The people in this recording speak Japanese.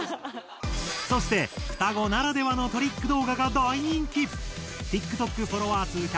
そして双子ならではのトリック動画が大人気！